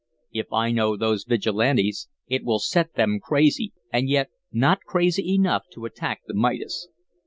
If I know those Vigilantes, it will set them crazy, and yet not crazy enough to attack the Midas.